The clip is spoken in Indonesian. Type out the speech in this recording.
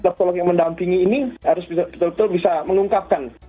psikolog yang mendampingi ini harus betul betul bisa mengungkapkan